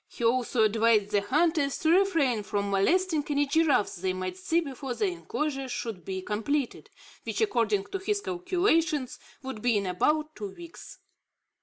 He also advised the hunters to refrain from molesting any giraffes they might see before the inclosure should be completed, which, according to his calculation, would be in about two weeks.